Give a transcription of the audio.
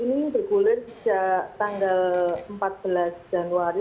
ini bergulir sejak tanggal empat belas januari